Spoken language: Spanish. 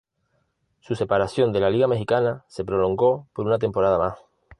Su separación de la Liga Mexicana se prolongó por una temporada más.